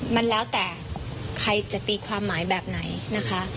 มันแล้วแต่ใครจะตีความหมายแบบไหนนะคะ